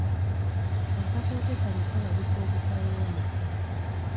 Akatooke kano kalabika obutawooma.